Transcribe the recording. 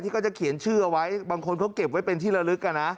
ก็จะเขียนชื่อเอาไว้บางคนเขาเก็บไว้เป็นที่ละลึก